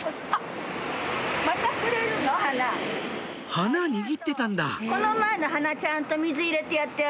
花握ってたんだこれ？